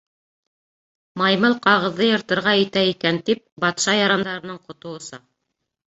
Маймыл ҡағыҙҙы йыртырға итә икән тип, батша ярандарының ҡото оса.